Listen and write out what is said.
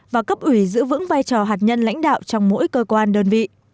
và cấp ủy giữ vững vai trò hạt nhân lãnh đạo trong mỗi cơ quan đơn vị